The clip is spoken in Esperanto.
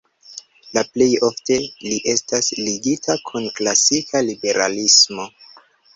La plej ofte li estas ligita kun klasika liberalismo.